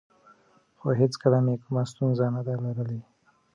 خو هېڅکله مې کومه ستونزه نه ده لرلې